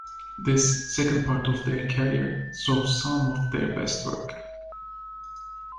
This second part of their career saw some of their best work.